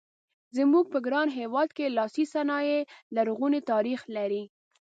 زموږ په ګران هېواد کې لاسي صنایع لرغونی تاریخ لري.